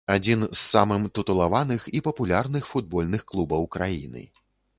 Адзін з самым тытулаваных і папулярных футбольных клубаў краіны.